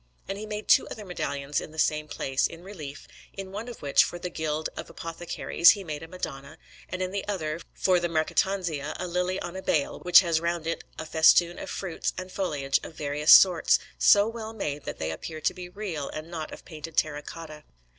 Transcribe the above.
And he made two other medallions in the same place, in relief, in one of which, for the Guild of Apothecaries, he made a Madonna, and in the other, for the Mercatanzia, a lily on a bale, which has round it a festoon of fruits and foliage of various sorts, so well made, that they appear to be real and not of painted terra cotta.